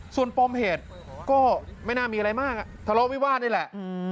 ส่วนปมเหตุก็ไม่น่ามีอะไรมากทะเลาะวิวาสนี่แหละ